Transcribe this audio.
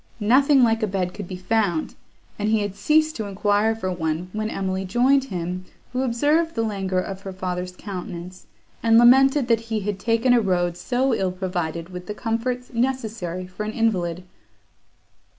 Nothing like a bed could be found, and he had ceased to enquire for one, when Emily joined him, who observed the languor of her father's countenance, and lamented, that he had taken a road so ill provided with the comforts necessary for an invalid.